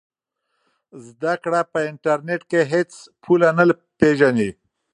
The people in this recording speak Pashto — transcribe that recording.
زده کړه په انټرنیټ کې هېڅ پوله نه پېژني.